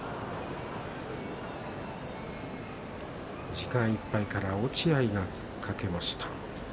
時間いっぱいから落合が突っかけました。